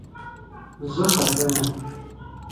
زه خپه یم